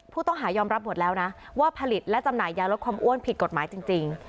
ผู้ต้องหายอมรับหมดแล้วนะว่าผลิตและจำหน่ายยาลดความอ้วนผิดกฎหมายจริง